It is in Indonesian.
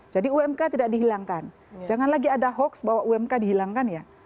jadi umk tidak dihilangkan jangan lagi ada hoax bahwa umk dihilangkan ya